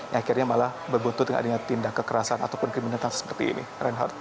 yang akhirnya malah berbuntut dengan adanya tindak kekerasan ataupun kriminalitas seperti ini reinhardt